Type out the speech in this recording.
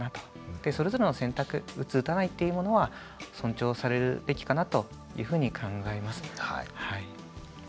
でそれぞれの選択打つ打たないっていうものは尊重されるべきかなというふうに考えます。